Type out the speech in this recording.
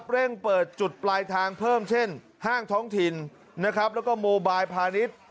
เร่งเปิดจุดปลายทางเพิ่มเช่นห้างท้องถิ่นนะครับแล้วก็โมบายพาณิชย์